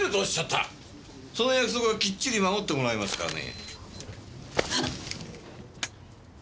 その約束はきっちり守ってもらいますからね。